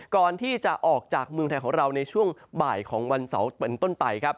ก่อนที่จะออกจากเมืองไทยของเราในช่วงบ่ายของวันเสาร์เป็นต้นไปครับ